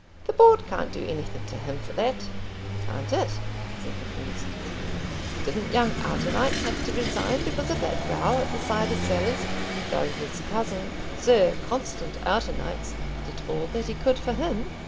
"The Board can't do anything to him for that." "Can't it?" said the first. "Didn't young Outonites have to resign because of that row at the Cider Cellars, though his cousin, Sir Constant Outonites, did all that he could for him?"